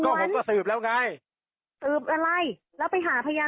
ก็ผมก็สืบแล้วไง